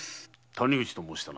谷口と申したな。